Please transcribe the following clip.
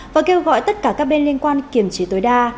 và kêu gọi tất cả các bên liên quan kiểm trí tối đa